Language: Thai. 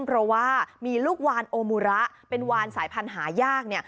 เพราะว่ามีลูกวานโอมูระเป็นวานสายพันธุ์หายาก